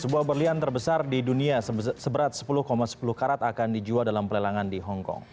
sebuah berlian terbesar di dunia seberat sepuluh sepuluh karat akan dijual dalam pelelangan di hongkong